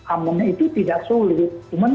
amun itu tidak sulit